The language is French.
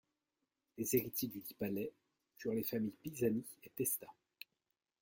Les héritiers dudit palais furent les familles Pisani et Testa.